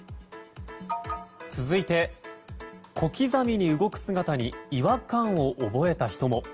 続いて、小刻みに動く姿に違和感を覚えた人も。